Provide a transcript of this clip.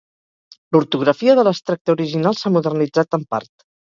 L'ortografia de l'extracte original s'ha modernitzat en part.